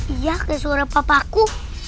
iya kayak suara papaku